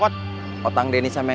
bisa kakan kan diajem kan